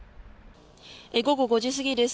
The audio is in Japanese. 午後５時過ぎです。